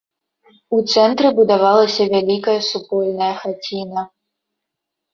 У цэнтры будавалася вялікая супольная хаціна.